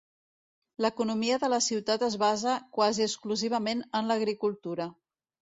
L'economia de la ciutat es basa quasi exclusivament en l'agricultura.